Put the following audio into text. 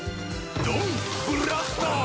「ドンブラスター！」